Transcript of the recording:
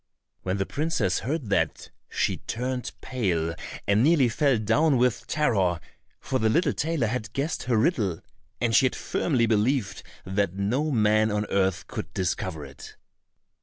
When the princess heard that, she turned pale and nearly fell down with terror, for the little tailor had guessed her riddle, and she had firmly believed that no man on earth could discover it.